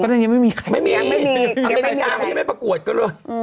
ไม่มีใครยังไม่มีอเมริกาไม่ได้ประกวดก็รวด